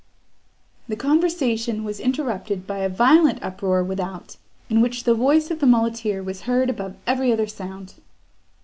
The conversation was interrupted by a violent uproar without, in which the voice of the muleteer was heard above every other sound.